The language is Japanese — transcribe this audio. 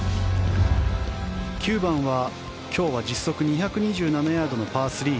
９番は今日は実測２２７ヤードのパー３。